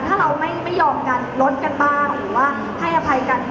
ถ้าเราไม่ยอมกันลดกันบ้างหรือว่าให้อภัยกัน